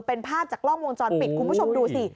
เป็นภาพจากกล้องวงจรปิดคุณผู้ชมดูสิ